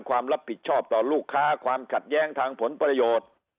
ความรับผิดชอบต่อลูกค้าความขัดแย้งทางผลประโยชน์